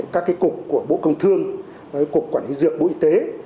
các cục của bộ công thương cục quản lý dược bộ y tế